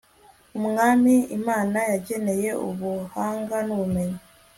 Umwami Imana yageneye ubuhanga nubumenyi